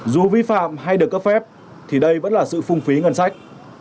dù vi phạm hay được cấp phép thì đây vẫn là sự phung phí ngân sách